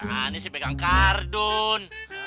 ya ini si pegang kardun